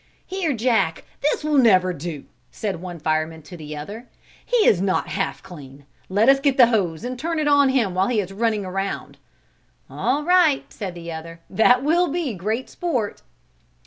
"Here, Jack, this will never do," said one fireman to the other, "he is not half clean. Let us get the hose and turn it on him while he is running around." "All right," said the other, "that will be great sport."